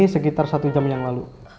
sekitar satu jam yang lalu